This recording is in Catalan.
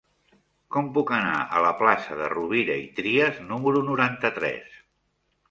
Com puc anar a la plaça de Rovira i Trias número noranta-tres?